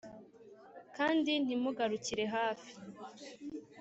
kandi ntimugarukire hafi